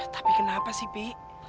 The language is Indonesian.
tapi kenapa sih pi